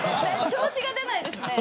調子が出ないですね。